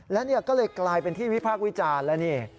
และนี่ก็เลยกลายเป็นที่วิพากษ์วิจารณ์แล้วนี่